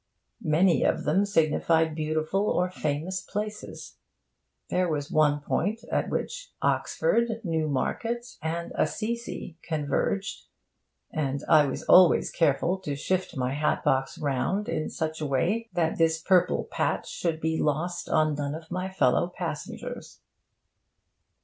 Many of them signified beautiful or famous places. There was one point at which Oxford, Newmarket, and Assisi converged, and I was always careful to shift my hat box round in such a way that this purple patch should be lost on none of my fellow passengers.